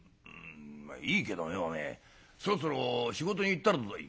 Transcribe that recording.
「まあいいけどよお前そろそろ仕事に行ったらどうだい」。